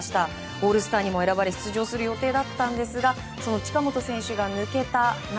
オールスターにも選ばれ出場する予定だったんですがその近本選手が抜けた中